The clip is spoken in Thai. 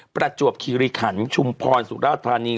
ประจวบคิริขันชุมพรสุราธานี